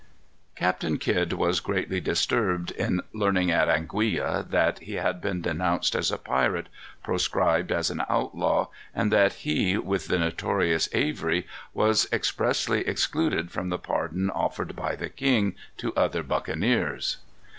Captain Kidd was greatly disturbed in learning at Anguilla that he had been denounced as a pirate, proscribed as an outlaw, and that he with the notorious Avery was expressly excluded from the pardon offered by the king to other buccaneers.